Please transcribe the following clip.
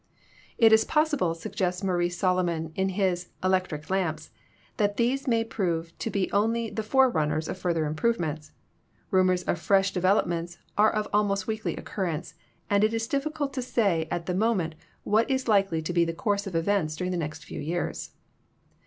"It is possible," suggests Maurice Solomon in his "Elec tric Lamps/ "that these may prove to be only the fore runners of further improvements; rumors of fresh de velopments are of almost weekly occurrence, and it is dif ficult to say at the moment what is likely to be the course of events during the next few years.